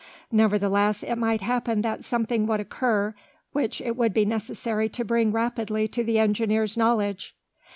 Nevertheless it might happen that something would occur which it would be necessary to bring rapidly to the engineer's knowledge.